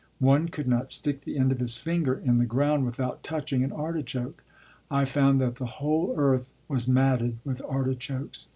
One could not stick the end of his finger in the ground without touching an artichoke. I found that the whole earth was matted with artichokes.